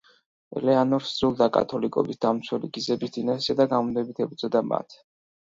ელეანორს სძულდა კათოლიკობის დამცველი გიზების დინასტია და გამუდმებით ებრძოდა მათ.